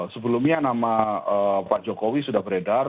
sebelumnya nama pak jokowi sudah beredar